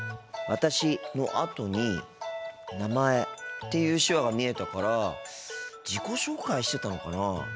「私」のあとに「名前」っていう手話が見えたから自己紹介してたのかなあ。